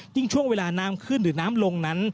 ช่วงเวลาน้ำขึ้นหรือน้ำลงนั้น